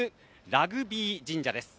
ラグビー神社です。